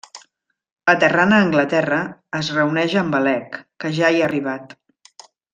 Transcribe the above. Aterrant a Anglaterra, es reuneix amb Alec, que ja hi ha arribat.